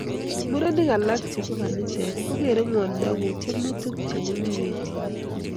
Murenik alam chebo kaniset kogeere ngwonindo ku tyemutik chebunu kertinin